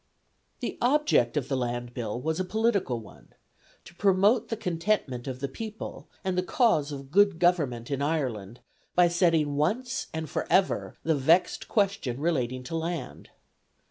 The object of the Land Bill was a political one: to promote the contentment of the people, and the cause of good government in Ireland, by settling once and for ever the vexed question relating to land.